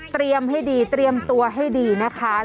เตรียมให้ดีเตรียมตัวให้ดีนะคะ